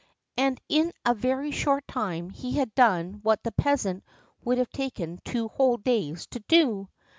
And in a very short time he had done what the peasant would have taken two whole days to do.